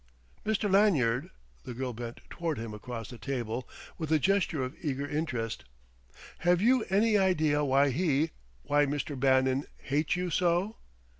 "Mr. Lanyard" the girl bent toward him across the table with a gesture of eager interest "have you any idea why he why Mr. Bannon hates you so?"